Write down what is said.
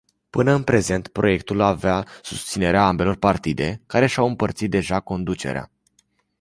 Până în prezent, proiectul avea susținerea ambelor partide, care și-au împărțit deja conducerea.